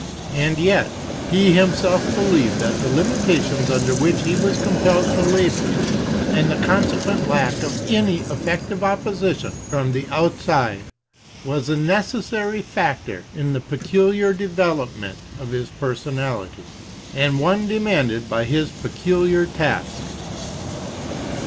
And yet, he himself believed that the limitations under which he was compelled to labor, and the consequent lack of any effective opposition from the outside, was a necessary factor in the peculiar development of his personality, and one demanded by his peculiar task.